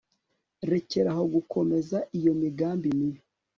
rekeraho gukomeza iyo migambi mibi